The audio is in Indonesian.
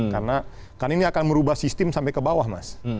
karena ini akan merubah sistem sampai ke bawah mas